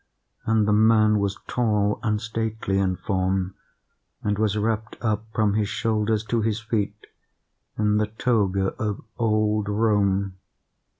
And the man was tall and stately in form, and was wrapped up from his shoulders to his feet in the toga of old Rome.